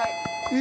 え！